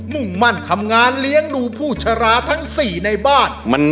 มุ่งมั่นทำงานเลี้ยงดูผู้ชราทั้ง๔ในบ้าน